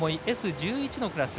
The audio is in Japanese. １１のクラス。